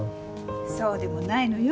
そうでもないのよ。